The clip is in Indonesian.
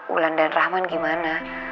ulan dan rahman gimana